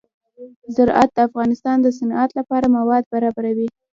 زراعت د افغانستان د صنعت لپاره مواد برابروي.